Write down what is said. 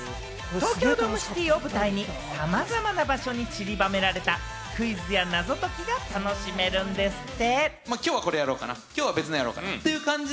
東京ドームシティを舞台にさまざまな場所に散りばめられたクイズや謎解きが楽しめるんですって。